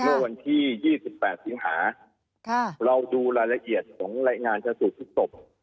เมื่อวันที่๒๘สิงหาเราดูรายละเอียดของรายงานชนสูตรพลิกศพ